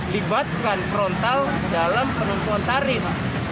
libatkan frontal dalam penentuan tarif